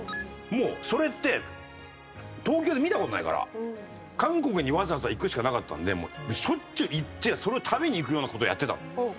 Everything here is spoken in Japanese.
もうそれって東京で見た事ないから韓国にわざわざ行くしかなかったんでしょっちゅう行ってはそれを食べに行くような事をやってたの。